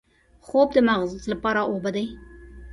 خوب د مغز لپاره اوبه دي